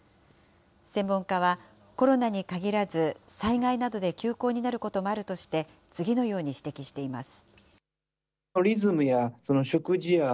専門家は、コロナに限らず、災害などで休校になることもあるとして、次のように指摘しています。